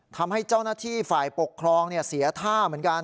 ทำให้เจ้าหน้าที่ฝ่ายปกครองเสียท่าเหมือนกัน